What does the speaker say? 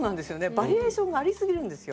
バリエーションがありすぎるんですよ。